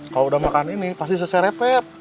kalau udah makan ini pasti sese repet